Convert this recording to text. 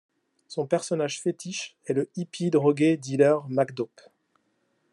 Son personnage fétiche est le hippie drogué Dealer McDope.